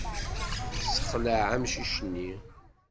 Tessexleɛ amcic-nni.